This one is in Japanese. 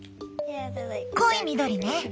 濃い緑ね。